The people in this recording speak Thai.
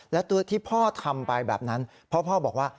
และตัวที่พ่อทำไปแบบนั้นพ่อบอกว่า